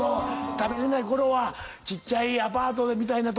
食べれないころはちっちゃいアパートみたいな所で。